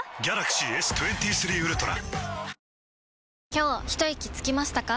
今日ひといきつきましたか？